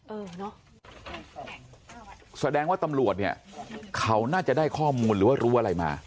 เออเนอะแสดงว่าตำรวจเนี่ยเขาน่าจะได้ข้อมูลหรือว่ารู้อะไรมา